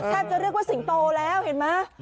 จะเรียกว่าสิงโตแล้วเห็นไหม